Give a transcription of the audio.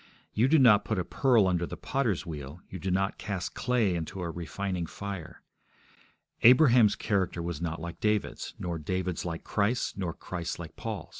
You do not put a pearl under the potter's wheel; you do not cast clay into a refining fire. Abraham's character was not like David's, nor David's like Christ's, nor Christ's like Paul's.